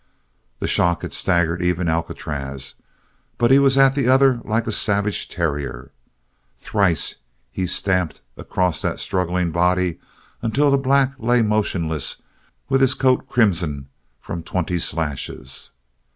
The shock had staggered even Alcatraz but he was at the other like a savage terrier. Thrice he stamped across that struggling body until the black lay motionless with his coat crimson from twenty slashes.